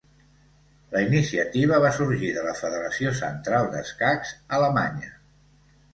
La iniciativa va sorgir de la Federació Central d'Escacs Alemanya.